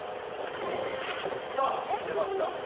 さあ出ました。